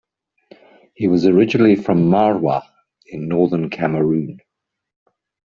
He was originally from Marwa in northern Cameroon.